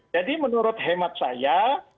jadi menurut hemat saya